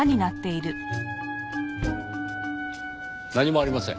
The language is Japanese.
何もありません。